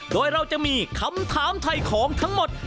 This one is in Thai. โดยเราจะมีคำถามไถ่ของทั้งหมด๔ข้อ